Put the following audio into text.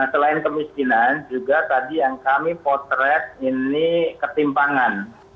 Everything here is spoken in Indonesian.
selain kemiskinan juga tadi yang kami potret ini ketimpangan